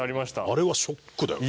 あれはショックだよね。